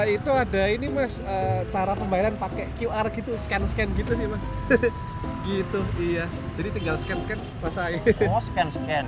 itu ada ini mas cara pembayaran pakai qr gitu scan scan gitu sih mas gitu iya jadi tinggal scan scan masa